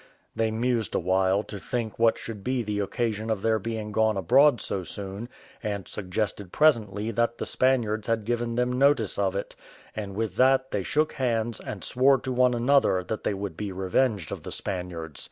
They mused a while, to think what should be the occasion of their being gone abroad so soon, and suggested presently that the Spaniards had given them notice of it; and with that they shook hands, and swore to one another that they would be revenged of the Spaniards.